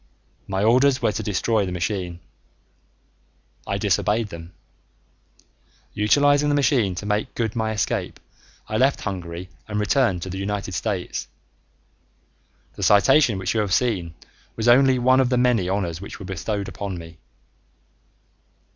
My orders were to destroy the machine. I disobeyed them. Utilizing the machine to make good my escape, I left Hungary and returned to the United States. The citation which you have seen was only one of the many honors which were bestowed upon me.